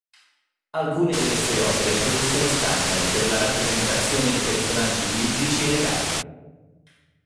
Alcune delle suo opere produssero scandalo per la rappresentazione di personaggi biblici e regali.